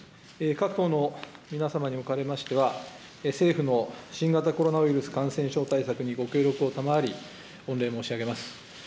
各党の皆様におかれましては、政府の新型コロナウイルス感染症対策にご協力たまわり、御礼申し上げます。